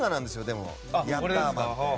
でも、「ヤッターマン」って。